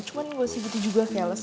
cuman ga usah gitu juga fela sih